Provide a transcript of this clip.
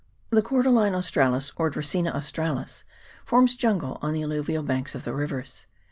The Cordyline australis, or Dracaena australis, forms jungle on the alluvial banks of the rivers.